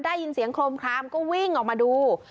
ได้ยินเสียงโครมคลามก็วิ่งออกมาดู